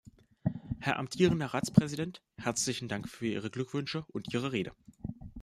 Herr amtierender Ratspräsident, herzlichen Dank für Ihre Glückwünsche und Ihre Rede.